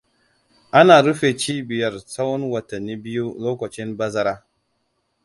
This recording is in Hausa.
Ana rufe cibiyar tsahon watanni biyu lokacin bazara.